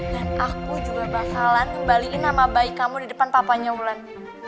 dan aku juga bakalan ngembalikan nama bayi kamu di depan papanya ulan